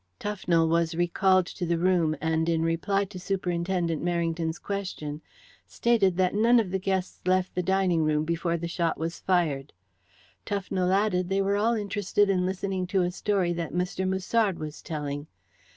Tufnell was recalled to the room, and, in reply to Superintendent Merrington's question, stated that none of the guests left the dining room before the shot was fired. Tufnell added they were all interested in listening to a story that Mr. Musard was telling.